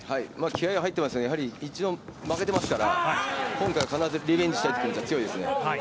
気合いが入ってますね、１度負けてますから今回は必ずリベンジしたいという気持ちは強いですね。